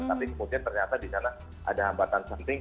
tapi kemudian ternyata di sana ada hambatan samping